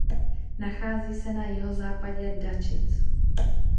Nachází se na jihozápadě Dačic.